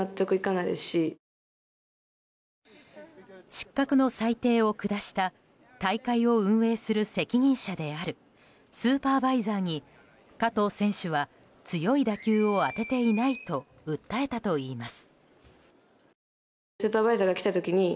失格の裁定を下した大会を運営する責任者であるスーパーバイザーに加藤選手は強い打球を当てていないと訴えたといいます。